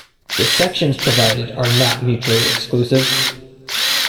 The sections provided are not mutually exclusive.